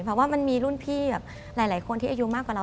เพราะว่ามันมีรุ่นพี่แบบหลายคนที่อายุมากกว่าเรา